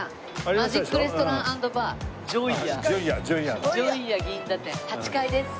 「マジックレストラン＆バー」「ジョイア銀座店」８階です。